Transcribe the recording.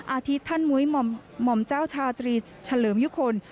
อาทิตย์ท่านมุ้ยหม่อมเจ้าชาตรีเฉลิมยุคล